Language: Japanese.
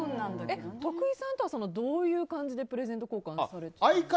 徳井さんとはどういう感じでプレゼント交換をされるんですか。